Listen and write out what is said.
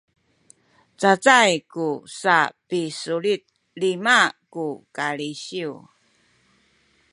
cacay ku sapisulit lima ku kalisiw